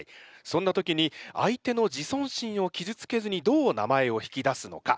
そんな時に相手の自尊心をきずつけずにどう名前を引き出すのか。